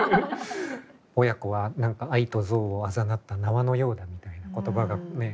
「親子は愛と憎悪をあざなった縄のようだ」みたいな言葉がね